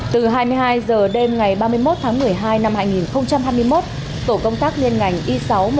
từ hai mươi hai h đêm ngày ba mươi một tháng một mươi hai năm hai nghìn hai mươi một tổ công tác liên ngành y sáu nghìn một trăm bốn mươi một